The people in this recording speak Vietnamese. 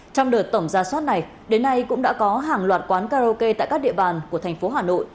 trong đợt tổng ra soát này đến nay cũng đã có hàng loạt quán karaoke tại các địa bàn của thành phố hà nội